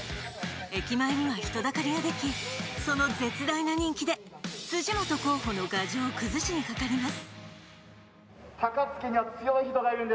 駅前には人だかりができ、その絶大な人気で辻元候補の牙城を崩しにかかります。